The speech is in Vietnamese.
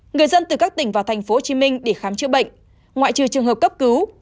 người dân từ các tỉnh vào thành phố hồ chí minh để khám chữa bệnh ngoại trừ trường hợp cấp cứu